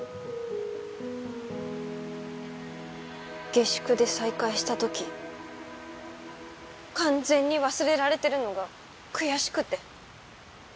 下宿で再会した時完全に忘れられてるのが悔しくて。